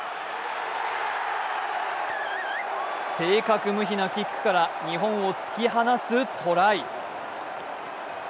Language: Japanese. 正確無比なキックから日本を突き放すトライ。